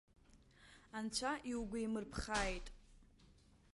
Анцәа иугәеимырԥхааит!